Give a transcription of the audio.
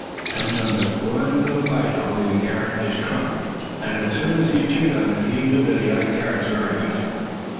Tum Tum took one little bite, holding the carrot in his trunk. And, as soon as he chewed on it, he knew that he liked carrots very much.